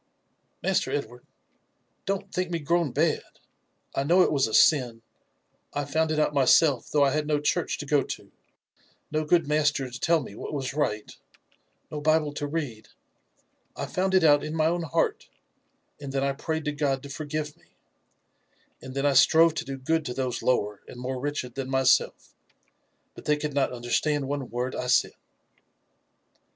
"Master Edward I — don't think me grown bad! — I know it was a sin, I found it out myself though I had no church to go to, no good master to tell me what was right, no Bible to read ^I found it out in Bay own heart, and then I prayed to God to forgive me, and then 1 strove to do good to those lower, and more wretched than myself, but they could not understand one word I said."